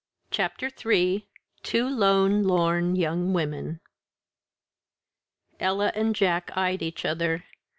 CHAPTER III TWO LONE, LORN YOUNG WOMEN Ella and Jack eyed each other.